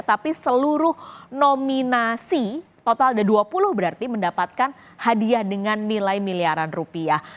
tapi seluruh nominasi total ada dua puluh berarti mendapatkan hadiah dengan nilai miliaran rupiah